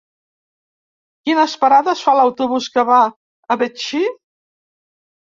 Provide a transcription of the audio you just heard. Quines parades fa l'autobús que va a Betxí?